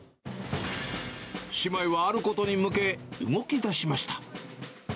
姉妹はあることに向け、動きだしました。